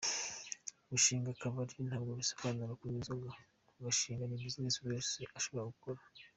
Gushinga akabari ntabwo bisobanuye kunywa inzoga, kugashinga ni business buri wese ashobora gukora.